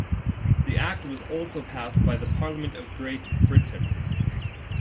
The act was also passed by the Parliament of Great Britain.